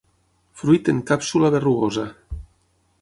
Fruit en càpsula berrugosa.